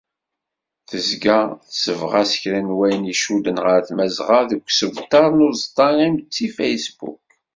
Tezga tessebɣas kra n wayen i icudden ɣer Tmazɣa deg usebter-is n uẓeṭṭa inmetti Facebook.